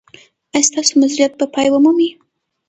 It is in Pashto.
ایا ستاسو مظلومیت به پای ومومي؟